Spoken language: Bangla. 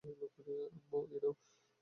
আম্মু, এই নাও!